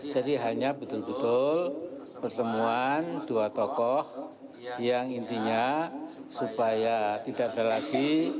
jadi hanya betul betul pertemuan dua tokoh yang intinya supaya tidak ada lagi